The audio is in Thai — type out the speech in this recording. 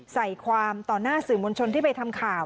ใส่ความต่อหน้าสื่อมวลชนที่ไปทำข่าว